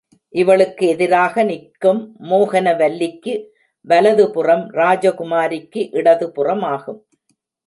இவளுக்கு எதிராக நிற்கும் மோகனவல்லிக்கு வலது புறம், ராஜகுமாரிக்கு இடதுபுறமாகும்.